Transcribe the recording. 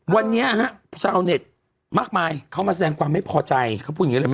วันนี้ฮะชาวเน็ตมากมายเขามาแสดงความไม่พอใจเขาพูดอย่างนี้เลยไหม